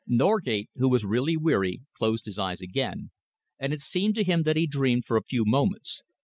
Norgate, who was really weary, closed his eyes again, and it seemed to him that he dreamed for a few moments.